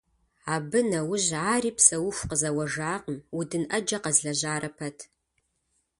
Абы нэужь ари псэуху къызэуэжакъым, удын Ӏэджэ къэзлэжьарэ пэт.